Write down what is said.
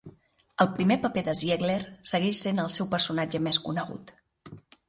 El primer paper de Ziegler segueix sent el seu personatge més conegut.